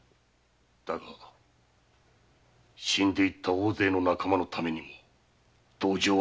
だが死んでいった大勢の仲間のためにも同情はできぬ。